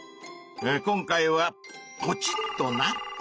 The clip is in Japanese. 今回はポチッとな！